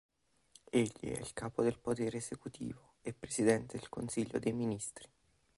Egli è il capo del potere esecutivo e presidente del Consiglio dei ministri.